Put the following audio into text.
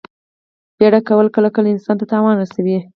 بیړه کول کله کله انسان ته تاوان رسوي.